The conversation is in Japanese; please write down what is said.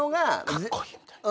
「カッコイイ」みたいな。